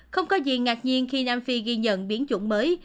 không có gì ngạc nhiên khi nam phi ghi nhận biến chủng mới